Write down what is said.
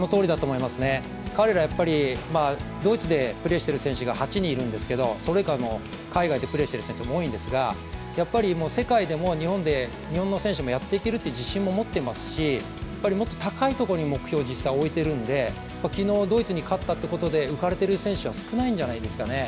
彼らは、ドイツでプレーしている選手が８人いるんですけどそのほかにも海外でプレーしている選手も多いんですが、世界でも日本の選手もやっていける自信を持ってますし、もっと高いところに目標を実際置いているんで昨日、ドイツに勝ったことで浮かれている選手は少ないんじゃないんですかね。